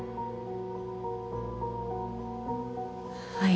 「はい」